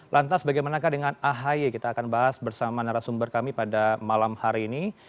lantas bagaimanakah dengan ahy kita akan bahas bersama narasumber kami pada malam hari ini